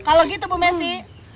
kalau gitu bu messi